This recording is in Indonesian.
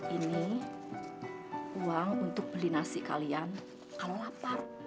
ini uang untuk beli nasi kalian ala lapar